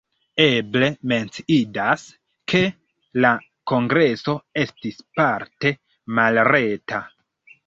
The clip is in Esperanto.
Eble menciindas, ke la kongreso estis parte malreta.